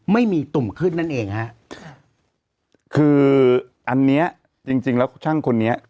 ไม่มีตุ่มขึ้นนั่นเองฮะค่ะคืออันเนี้ยจริงจริงแล้วช่างคนนี้